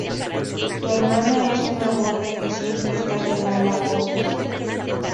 Tu hermana es una borde que siempre está de mala hostia